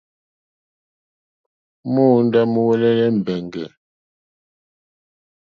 Móǒndá múúŋwɛ̀lɛ̀ mbɛ̀ŋgɛ̀.